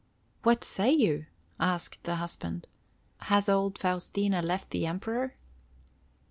"What say you?" asked the husband. "Has old Faustina left the Emperor?"